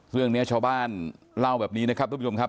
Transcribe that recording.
เรื่องนี้ชาวบ้านเล่าแบบนี้นะครับทุกผู้ชมครับ